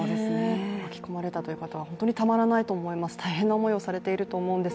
巻き込まれたという方は本当にたまらないと思います。